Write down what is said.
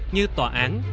như tòa án